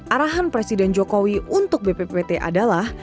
arahan presiden jokowi untuk bppt adalah